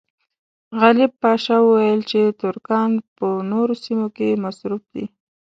غالب پاشا وویل چې ترکان په نورو سیمو کې مصروف دي.